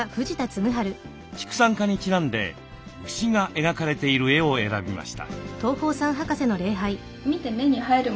畜産科にちなんで牛が描かれている絵を選びました。